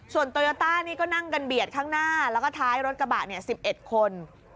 ส่วนโตโยต้านี่ก็นั่งกันเบียดข้างหน้าแล้วก็ท้ายรถกระบะ๑๑คน